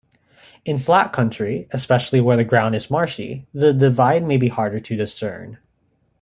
In flat country-especially where the ground is marshy-the divide may be harder to discern.